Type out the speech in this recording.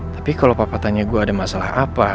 tapi kalau papa tanya gue ada masalah apa